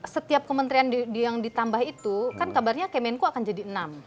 setiap kementerian yang ditambah itu kan kabarnya kemenko akan jadi enam